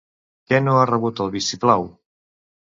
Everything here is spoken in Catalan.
Què no ha rebut el vistiplau?